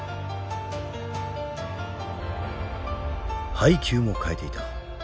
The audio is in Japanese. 配球も変えていた。